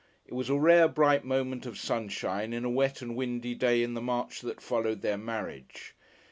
It was a rare bright moment of sunshine in a wet and windy day in the March that followed their marriage.